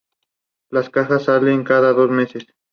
Las cajas salen cada dos meses.